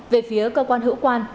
về phía cơ quan hữu quan